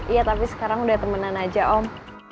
iya tapi sekarang udah temenan aja om